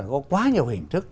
có quá nhiều hình thức